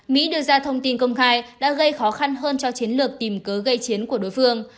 mỹ đưa ra thông tin công khai đã gây khó khăn hơn cho chiến lược tìm cớ gây chiến của đối phương